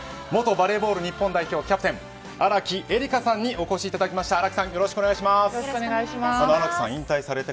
元バレーボール日本代表キャプテンの荒木絵里香さんにお越しいただきました。